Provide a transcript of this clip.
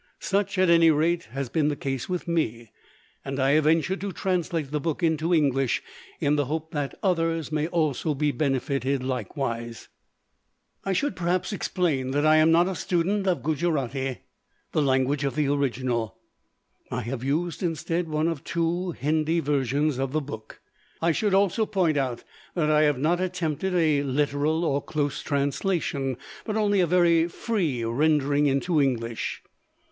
Such, at any rate, has been the case with me; and I have ventured to translate the book into English in the hope that others may also be benefitted likewise. I should perhaps explain that I am not a student of Gujarati, the language of the original. I have used instead one of the two Hindi versions of the book. I should also point out that I have not attempted a literal or close translation, but only a very free rendering into English.